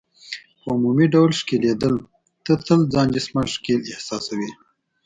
په عمومي ډول ښکیلېدل، ته تل ځان جسماً ښکېل احساسوې.